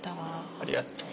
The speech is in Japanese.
ありがとう。